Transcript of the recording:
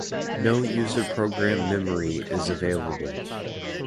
No user program memory is available.